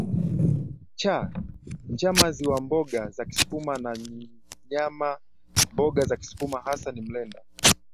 cha njaamaziwamboga za kisukuma na nyama Mboga za kisukuma hasa ni mlenda